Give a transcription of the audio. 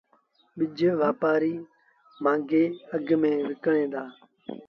ٻج وآپآريٚ مآݩگي اگھ ميݩ وڪڻيٚن دآ